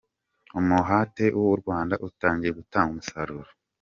Umuhate w’u Rwanda utangiye gutanga umusaruro.